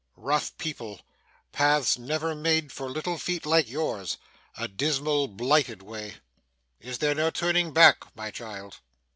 'Rough people paths never made for little feet like yours a dismal blighted way is there no turning back, my child?